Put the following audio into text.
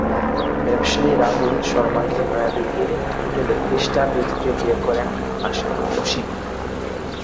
ব্যবসায়ী রাহুল শর্মাকে নয়াদিল্লির একটি হোটেলে খ্রিষ্টান রীতিতে বিয়ে করেন অসিন।